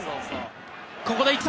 ここでいく。